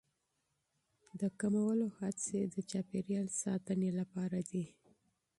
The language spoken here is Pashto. د کمولو هڅې د چاپیریال ساتنې لپاره دي.